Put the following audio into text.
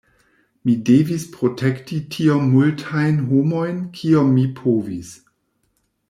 Mi devis protekti tiom multajn homojn kiom mi povis".